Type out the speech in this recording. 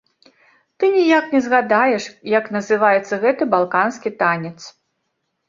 Ты ніяк не згадаеш, як называецца гэты балканскі танец.